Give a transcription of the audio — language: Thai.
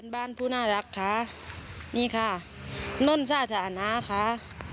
บ้านผู้น่ารักค่ะนี่ค่ะ